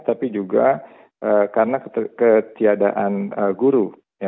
tapi juga karena ketiadaan guru